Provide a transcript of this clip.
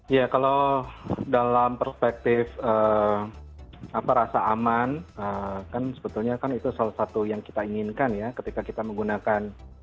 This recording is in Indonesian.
ya kalau dalam perspektif rasa aman kan sebetulnya kan itu salah satu yang kita inginkan ya ketika kita menggunakan